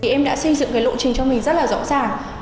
em đã xây dựng lộ trình cho mình rất là rõ ràng